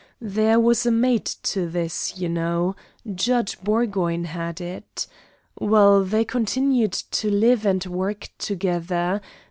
There was a mate to this, you know; Judge Burgoyne had it. Well, they continued to live and work together.